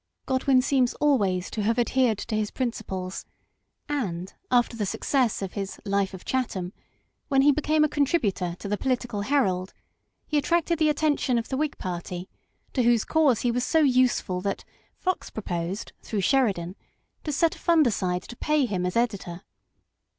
Godwin seems always to have adhered to his principles, and after the success of his Life of Chatham, when he became a contributor to the Political Herald, he attracted the attention of the Whig Party, to whose cause he was so useful that Fox proposed, through Sheridan, to set a fund aside to pay him as Editor.